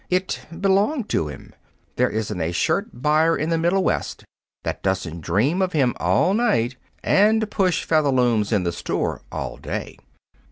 It belonged to him. There isn't a skirt buyer in the Middle West that doesn't dream of him all night and push Featherlooms in the store all day.